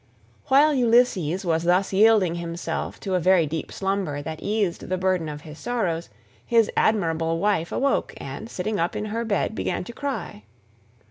While Ulysses was thus yielding himself to a very deep slumber that eased the burden of his sorrows, his admirable wife awoke, and sitting up in her bed began to cry.